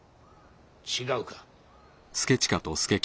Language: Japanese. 違うか。